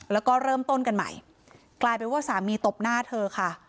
แล้วก็เริ่มต้นกันใหม่กลายเป็นว่าสามีตบหน้าเธอค่ะ